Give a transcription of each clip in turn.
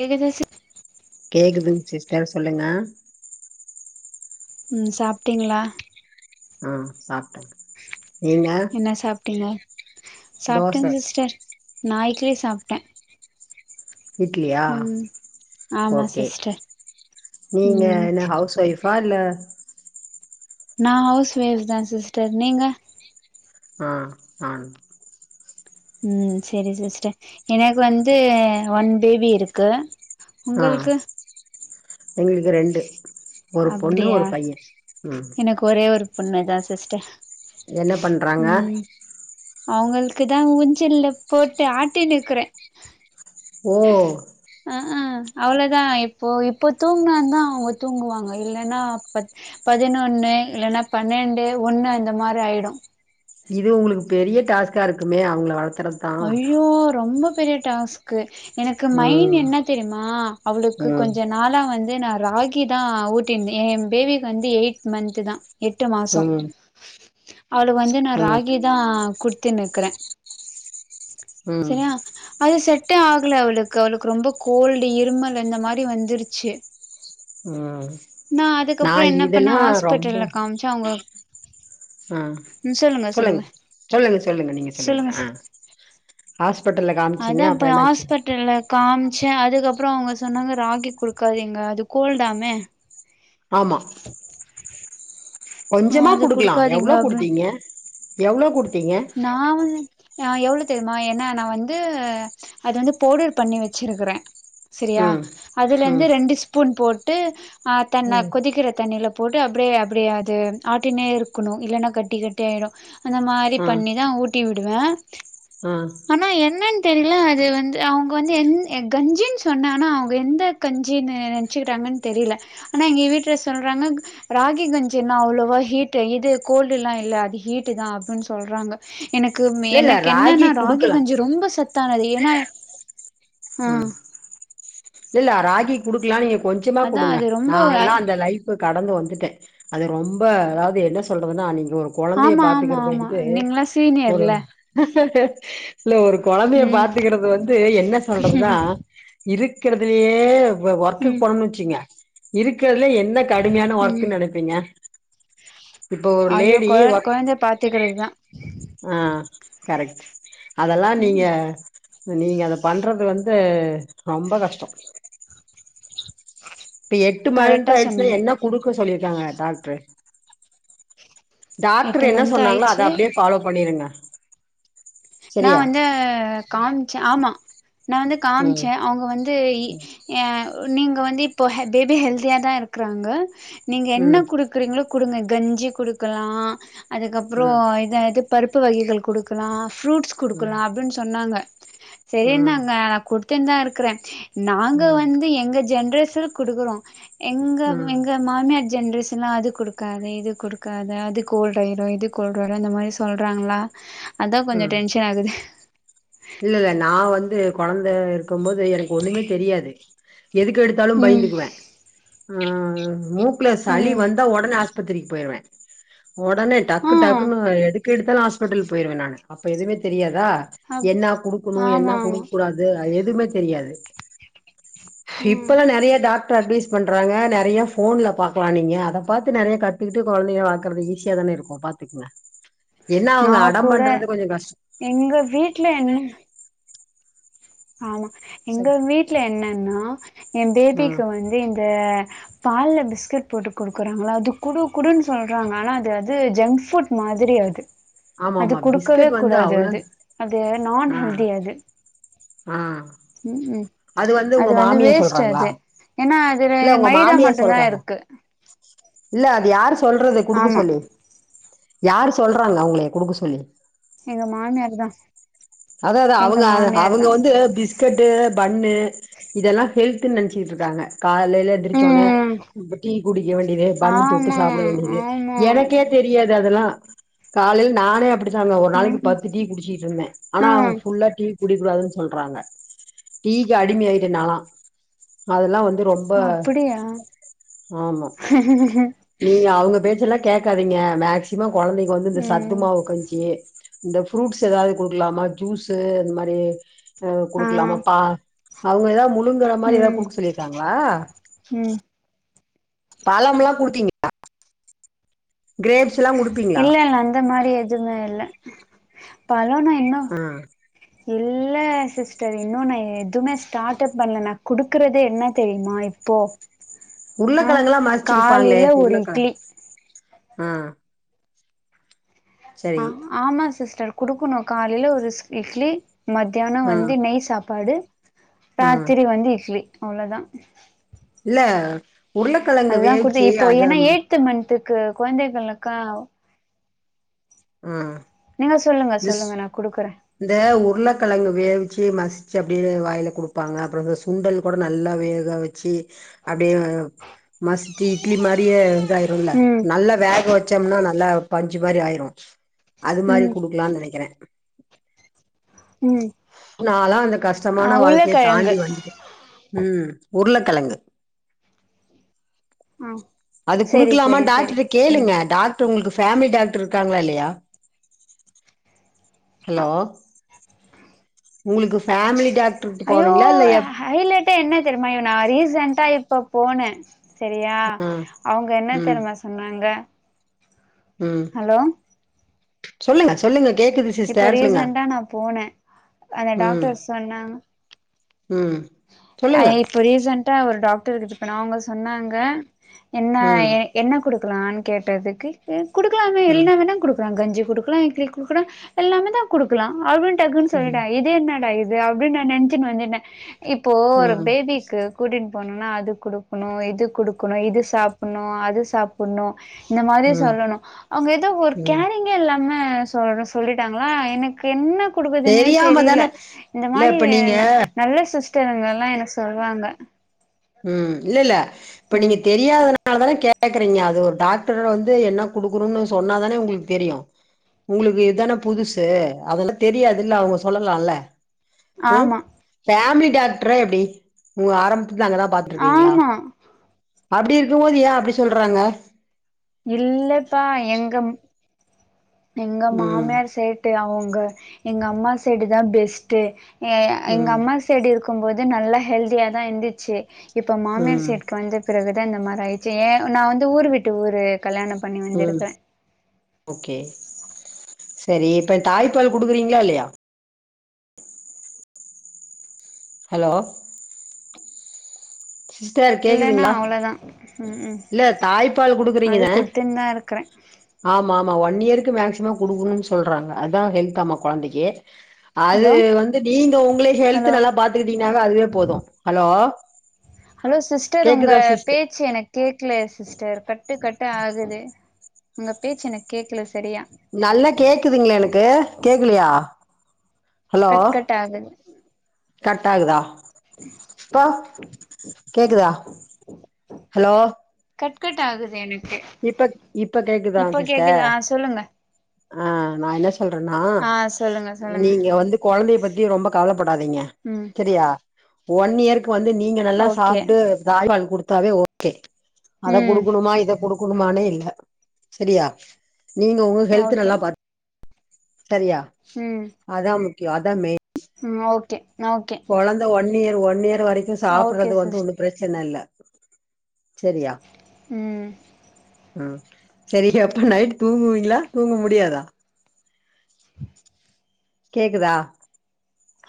கேக்குதா சிஸ் கேக்குதுங்க சிஸர் சொல்லுங்க உம் சாப்பிட்டீங்களா ஆஹ் சப்ப என்ன சாப்பிட்டீங்க தோச சாப்பிட்டேன் சிஸ்டர் நா இட்லி சாப்பிட்டேன் இட்லியா ஆமா ஓகே சிஸ்டர் நீங்க ம் என்ன ஹவுஸ் ஒயப் கார்லா நான் ஹவுஸ் ஒயஃ தான் சிஸ்டர் நீங்க ஆஹ் ஆன் ம் சரி சிஸ்டர் எனக்கு வந்து ஒன் பேபி இருக்கு ஆ உங்களுக்கு எங்களுக்கு ரெண்டு ஒரு பொண்ணு அப்டியா ஒரு பையன் உம் பொண்ணுதான் சிஸ்டர் என்ன பண்றாங்க அவங்களுக்கு தான் ஊஞ்சல்ல போட்டு ஆட்ட நக்குறேன் ஓ அஹ் அவ்வளவுதான் இப்போ இப்போ தூங்குினான் தான் அவங்க தூங்குவாங்க இல்ன்னா பதினொன்னு இல்லன்னா பன்னெண்டு ஒண்ணு அந்த மாரி ஆயிடும் இது உங்களுக்கு பெரிய டாஸ்கா இருக்குமே அவங்கள வள அஐயோ ரொம்ப பெரிய டாஸ்க எனக்கு மைண் ம் என்ன தெரியுமா அவளுக்கு ம் கொஞ்ச நாளா வந்து நான் ராகி தான் ஊட்டிருந்தன் என் என் பேபிக்கு வந்து எயிட் மந்த்த் தான் எட்டு மாசம் ம் அவளு வந்து நான் ம் ராகி தான் குடுத்துனுக்கிறேன் ம் சரியா அது செட் ஆகல அவளுக்கு அவளுக்கு ரொம்ப கோல்டு இருமல் அந்த மாதிரி வந்துருச்சு ம் நா அதுக்கப்புறம் என்ன பண்ணா இதெல்லா ரொம்ப ஹாஸ்பிட்டல்ல காமிச்சன் அவங்க ஆ சொல்லுங்க சொல்லுங்க சொல்லுங்க நீங்க சொல்லுங்க ஆ ஹாஸ்பிட்டல்ல காமிச்சீங்க அதா பா அப்புறோ என்னாச்சு ஹாஸ்பிட்டல்ல காமிச்சே அதுக்கப்பறோ அவங்க சொன்னாங்க ராகி குடுக்காதீங்க அது கோல்டாமே ஆமா ஆ கொஞ்சமா அது குடுக்கலா குடுக்காதீங்க எவ்ளோ அப்டின் குடுத்தீங்க எவ்ளோ குடுத்தீங்க நா வந்து ஆ எவ்ளோ தெரியுமா ஏன்னா நா வந்து அது வந்து பவ்டர் பண்ணி வச்சிருக்குறே செரியா ம் அதுல ம் இருந்து ரெண்டு ஸ்பூன் போட் ட்டு ஆ தண்ண ம் கொதிக்கிற தண்ணில போட்டு அப்டே அப்டே அது ஆட்டினே இருக்கணு இல்லனா கட்டி கட்டியா ஆயிடு அந்த மாரி ஆ பண்ணிதா ஊட் ட்டி விடுவே ஆ ஆனா என்னன் தெரியல அது வந்து அவங்க வந்து என் கஞ்சின் சொன்னே ஆனா அவங்க எந்த கஞ்சின் நெனைச்சுக்கிறாங்கன்னு தெரியல ஆனா எங்க வீட்டுல சொல்றாங்க ராகி கஞ்சின்ல்லா அவ்ளவா ஹீட் இது கோல்டுலா இல்ல அது ஹீட்டு டுதா அப்டின்னு சொல்றாங்க எனக்கு இல்ல இல்ல எனக்கு என்னன்னா ராகி குடுக்கலா கஞ்சு ரொம்ப சத் த்தானது ஏனா ஆ இல்லல்ல ராகி குடுக்லா நீங்க கொஞ்சமா அதான் குடுங்க அது ரொம்ப நாலா ஐ- அந்த லைஃப கட கடந்து வந்துட்டே அது ரொம்ப அதாவது என்ன சொல்றதுனா நீங் ஒரு கொழந்தைய ஆமா, ஆமா, பாத்துக்கிறது ஆமா. வந்து நீங்கலாம் ஒரு சீனியர்ல. இல்ல ஒரு கொழந்தைய ம். பாத்துக்கிறது வந்து என்ன நடக்குதா இருக்கறதுலயே [unintelligible] ஒர்க்குக்கு ம், போணோனுச்சுங்கங்க இருக்கு இருக்குறதுலயே என்ன கடுமையான ஒர்க்ன்னு நைனப்பீங்க அய்யோ கொழ ஒர்க் கொழந்தய பாத்துக்கிறதுலா ஆ கரெக்ட் அதெல்லா நீங்க ம். நீங்க அத பண்றது வந்து ரொம்ப கஷ்ட இப்ப எட்டு மாத தா கரெக்ட்டா ஆயிடுச்சு சொன்னீங்க. என்ன குடுக்க சொல்லிருக் இதாங்க டாக்டரு டாக்டரு என்ன மந்த் சொன்னாங்களோ அத ஆயிடுச்சு. அப்டியே ஃபாலோ பண்ணிருங்க நா சரியா வந்து காம்ச்சே ஆமா நா வந்து ம் காம்ச்சே அவுங்க வந்து ஏ நீங்க வந்து இப்போ அ பேபி ஹெல்த்தியா தா இருக்குறாங்க நீங்க என்ன ம் குடுக்குறீங்களோ குடுங்க கஞ்சி குடுக்கலா அதுக்கப்புறோ ம் இது அது பருப்பு வகைகள் குடுக்கலா ஃப்ரூட்ஸ் ம் குடுக்கலா அப்டின் சொன்னாங்க செரி ம் நாங்க குடு க்கன் தா இருக்கறே நாங்க ம் வந்து எங்க ஜென் பேசுன் குடுக்குறோ எங்க ம் எங்க மாமியார் ஜென்ரேஷன்லா அது குடுக்காத இது குடுக்காத அது கோல்டாயிரு இது கோல்டு வரு இந்த மாரி சொல்றாங்களா அதா கொஞ்ச ம் டென்ஷன் ஆகுது இல்ல இல்ல நா வந்து கொழந்தையா இருக்கும் போது எனக்கு ஒண்ணுமே தெரியாது எதுக் எடுத்தாலு ம் பய்ந்துக்குவே ஆ ஓ க்குல சளி ம் வந்த ஒடன ஆஸ் பத்திரிக்கி போயிருவே ஓடனே ஆ டக்கு டக்குனு எடு எதுக் எடுத்தாலு ஹாஸ்பிட்டல் போயிருவே நானு அப்ப எதுமே தெரியாதா அப் என்னா குடுக்கணு ஆமா என்னா ஆமா குடுக்க கூடாது அது எ துமே தெரியாது ம் இப்பல்லா நெறைய டாக் ட்ரு அட்வைஸ் பண்றாங்க நெறைய ஃபோன்ல பாக்கலா நீங்க அத பாத்து நெறைய கத்துக்கிட்டு கொழந்தைகள வளக்கறது ஈஸியாதான இருக்கு பாத்துக்ங்க நா கூட எங்க வீ ட்ல என்ன ஆமா எங்க சரி வீட்ல என்னன்னா ஏன் ஆ பேபிக்கு வந்து இந்த பால்ல பிஸ்கட் போட்டு குடுக்குறாங்கல்ல அது குடு குடுன்னு சொல்றாங்க ஆனா அது அது ஜங்க் ஃபுட் மாதிரி அது ஆமா அது ஆமா குடுக்கவே பிஸ்கட் வந்து கூடாது அவ்ளோ அது அது நான் ஆ ஹெல்தி அது ஆ ம் அது உங்க வந்து மாமியா வேஸ்ட்டு சொல்றாங்களா அது ஏன்னா அதுல இல்ல உங்க மைதா மாமியா மட்டும்தான் சொல்றாங்களா? இருக்கு. இல்ல அது யாரு சொல்றது குடுக்க ஆமா. சொல்லி? யாரு சொல்றாங்க உங்களய குடுக்க சொல்லி? எங்க மாமியார்தா அதா அதா அவங்க அத அவங்க வந்து பிஸ்கட்டு் பன்னு இதெல்லா ஹெல்த்துன்னு நெனச்சுட்ருக்காங்க காலைல எந்திரிச்சோடனே ம். ப்ப டீ குடிக்க வேண்டியது பன்னு தொட்டு ஆமா, சாப்ட வேண்டியது ஆமா. எனக்கே தெரியாது அதெல்லா காலைல நானே அப்பிடி தாங்க ஒரு ம், நாளைக்கி ம். பத்து டீ குடிச்சிட்டு இருந்தே ஆனா ஆ. அவுங்க ஃபுல்லா டீ குடிக்க கூடாதுன்னு சொல்றாங்க டீக்கு அடிமை ஆயிட்டே நால்லா அதல்லா வந் து ரொம்ப அப்படியா? ஆமா நீங்க அவங்க பேச்சல்லா கேக்காதீங்க மேக்சிமம் கொழந்தைக்கி வந்து இந்த ம். சத்துமாவு கஞ்சி இந்த ஃப்ரூட்ஸ் எதாவது குடுக்கலாமா ஜூஸு அந்த மாரி எதாவ்து ஆ குடுக்கலாமா பால் அவங்க எதா மு ளுங்கட மாரி ஏதா ம் குடுக்க சொல்லிருக்காங்களா ம் பழம்ல்லா குடுத்தீங்களா குடுப்பீங்களா இல்ல இல்ல அந்த மாரி எ எதுமே இல்ல பால் என்னா என்னா ஆ இல்ல சிஸ்டர் இன்னு நா எதுவுமே ஸ்டார்ட் அப் பண்ணல நா குடுக்குறதே என்ன தெரியுமா இப்போ ஆ உருளக்கெழங்கல்லா மறிச்சு குடுப்பாங்களே காலைல ஒரு உருளக்கெழங் இட்லி ஆ ஆ சரி ஆமா சிஸ் ட்டர் குடுக்கணு காலயில ஒரு இட்லி மத்தியானோ ஆ வந்து நெய் சாப் படு ஆ ராத்திரி வந்து இட்லி அவ்ளதா இல்ல உருளக்கெழங்கு அதுதா குடுத்த வேவிச்சு இப்போ அத ஏன்னா எய்து மந்து க்கு கொழந்தைகளுக்க ம் சொல்லுங்க திஸ் சொல்லுங்க நா குடுக்குறே இந்த உருளகழங்கு வேவிச்சி மசிச்சி அப்பிடியே வாயில குடுப்பாங்க அப்புறோ சுண்டல் கூட நல்லா வேக வச்சி அப்டே மசிசீ இட்லி மாரியே இதாயிருல ம் நல்லா வேக வச் ச்சம்னா நல்லா பஞ்சி மாரி ஆயிரு அது மாரி ம் ல்லா நெனைகிறே ம் நாலா அந்த ஆ கஷ்டமான வாழ்க்கைய உருளக்கெழங்கு தாண்டி வந்துடே ம் உருளகழங்கு ஆ அது குடுக்லாமா டாக்டர் கேளுங்க டாக்டர் உங்ளுக் ஃபேமிலி டாக்டர் இருகாங்ளா இல்லயா ஹலோ உங்ளுக்கு ஃபேமிலி டாக் அயோ ஹைலட் ப்ப என்ன தெரியுமா இவன நா ரீசன்டா இப்ப போனே சரியா ஆ அவ்ங்க என்ன ம் தெறிமா சொன்னாங்க ம் ஹலோ சொல்லுங்க சொல்லுங்க கேக்குது இப்ப சிஸ்டர் சொல்லுங்க ரீசன்டா நா போனே அந்த டாக்டர் சொன்னாங் உ சொல்லுங்க த்த ஒரு டாக்டர் இருப்பநங்க சொன்னாங்க என்ன ம் என்ன குடுக்லா கேட்டதுக்கு ஏ குடுக்லாமே ம் என்னவேனா குடு க்ரா கஞ்சி குடுக்கலா இட்லி குடுக்கலா எல்லாமே தா குடுக்கலா அறு டக்குன்னு ம் சொல்லிடா இது என்னடா இது தே அப்டினு நெனச்சினு வந்துட்டே இப்போ ஒரு ம் பேபிக்கு கூடின் போனோனா அது குடுக்கணு இது குடுக்கணு இது சாப்பிட்ணு அது சாப்பிட்ணு இந்த மாதிரி ம் சொல்லணு அவங்க ஏதோ ஒரு ம் கேரிங்கே இல்லாம ம்ம சொ சொல்லிட்டாங்களா எனக்கு என்ன கொடுகதுனே தெரியாம தெரியல தான இந்த இல்ல மாரி இப்ப நீங்க நல்ல சுஸ் த்தவங்க எல்லா எனக் சொல்லுவாங்க உ இல்ல இல்ல இப்ப நீங்க தெரியாதனால தானே கே கேக்குறீங்க அது ஒரு டாக்டர வந்து என்ன குடுக்கணும்னு சொன்னாதானே உங்களுக்கு தெரியு உங்களுக்கு இதுதானே புதுசு அதெல்லா தெரியாதுல்ல அவங்க சொல்லலால அ ஆமா ஃபேமிலி [unintelligible] க்டரா எப்டி உ ஆரம்பத்துலஅங்க தா பாத்துருக்கீங்களா ஆமா அப்டி இருக்கும்போதியா அப்டி சொல்றாங்க இல்லபா எங்கம் எங்க ம் மாமியார் சைட்டு அவங் ங்க எங்க அம்மா செடு தா பெஸ்ட்டு ஏய் எங்க ம் அம்மா செடு இருக் இருக்கும்போது நல்லா ஹெல்தியா தான் இருந்துச்சி இப்ப மாமியார் ம் சைட்கு வந்த பிறகு இந்தந்த மாதிரி ஆ ஜெய நான் வந்து ஊர் விட்டு ஊரு கல்யாணம் பண்ணி ம் வந்திருபென் ஓகே சரி இப்ப தாய்பால் குடுக்குறீங்களா இல்லையா ஹலோ சிஸ்டர் இல்லன்னா கேக்குதுங்களா அவ்ளோதா ம் ம் இல்ல தாய்ப்பால் அது கொடுக்குறீங்கதன குடுத்துன்னு தா இருக்கறே ஆமா ஆமா ஒன் பன்னியருக்கு மேக்ஸிமம் கொடுக்கணும் சொல்கிறாங்க அதுான் ஹெல்த் ஆமா குழந்தைக்கு அது ஹலோ வந்து நீங்க உங்களே ஹெல்து ஹலோ நல்லா பாத்துக்கிட்டீங்கன்னா அதுவே போதும் ஹலோ ஹலோ சிஸ்டர் உங்க கேக்குதா சிஸ்டர் பேச்சு எனக்கு கேக் க்ல சிஸ்டர் கட்டு கட்டு ஆகுது உங்க பேச்சு எனக்கு கேக்கல ஷ் நல்லா கேக்குதுங்களா எனக்கு கேக்குலையா கட கட் ஆகுது கர்ட் ஆகுதா இப்ப கேக்குதா ஹலோ கட கட்ட ஆகுது எனக்கு இப்ப இப்ப கேக்குதான் இப்ப சிஸ்டர் கேக்குதா ஆ சொல்லுங்க ஆஹ் நான் என்ன சொல்றேன்னா ஆ சொல்லுங்க சொல்லுங்க நீங்க வந்து குழந்தைய பத்தி ரொம்ப கவலைப்படாதீங்க ம் சரியா ஒன் இயர் வந்து நீங்க நல்லா ஓகே சாப்பிட்டு தவால் கொடுத்து தாவே ஓகே அத ம் கொடுக்கணுமா இத கொடுக்கும் குணமானே இல்ல சரியா நீங்க உங்க ஹெல்த் ஓகே நல்லா பா சரியா அதான் கட் அது தான் மெயின் உம் ஓகே ஓகே குழந்த ஒண்ண நீ அது ஒன் இய ர் வரைக்கு ஓகே சாப்புறது வந்து சிஸ் ஒன்னு பிரச்சனல்ல [unintelligible] ம் ம் செரி அப்ப நைட் தூங்குவீங்ளா தூங்க முடியாதா? கேக்குதா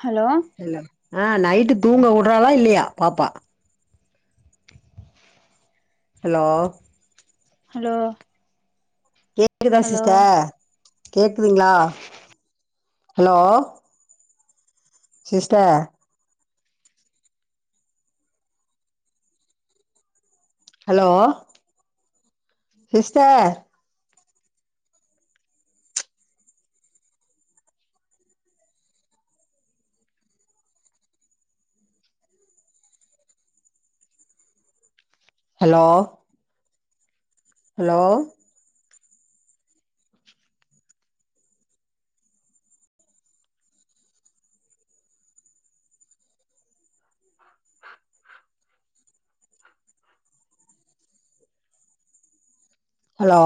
ஹலோ இல்ல ஆ நைட்டு தூங்க வுட்றாலா இல்லையா பாப்பா ஹலோ ஹலோ க்குதா ஹலோ சிஸ்ட கேக்குதுங்ளா hello sister hello sister hello hello hello